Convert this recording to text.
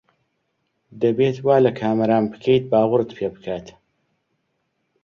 دەبێت وا لە کامەران بکەیت باوەڕت پێ بکات.